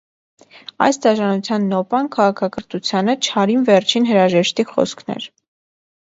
Այս դաժանության նոպան քաղաքակրթությանը, չարին վերջին հրաժեշտի խոսքն էր։